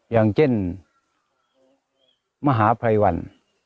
อย่างเจ้นมหาไพรวัน